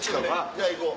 じゃあ行こう。